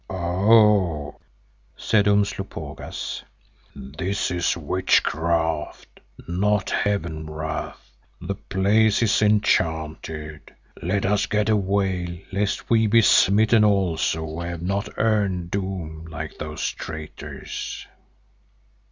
"Ow!" said Umslopogaas, "this is witchcraft, not Heaven wrath. The place is enchanted. Let us get away lest we be smitten also who have not earned doom like those traitors."